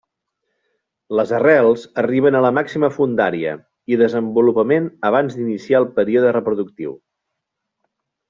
Les arrels arriben a la màxima fondària i desenvolupament abans d'iniciar el període reproductiu.